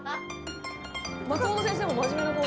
「松本先生も真面目な顔で」